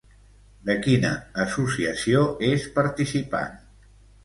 De quina associació és participant?